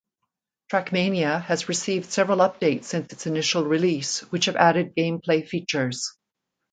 Trackmania has received several updates since its initial release which have added gameplay features.